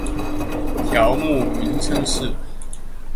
条目名称是